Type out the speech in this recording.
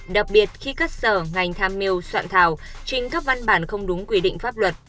đặc biệt khi các sở ngành tham mưu soạn thảo trình các văn bản không đúng quy định pháp luật